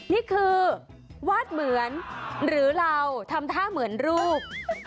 นี่คือวาดเหมือนหรือเราทำท่าเหมือนรูป